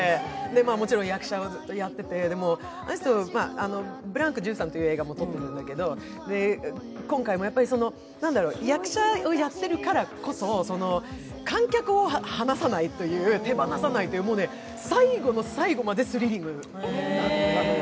もちろん役者をずっとやってて、「ブランク１３」という映画も撮ってて、今回も、役者をやっているからこそ観客を離さない、手離さない、最後の最後までスリリングだったのよ。